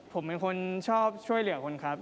ผมเป็นคนชอบช่วยเหลือคนครับ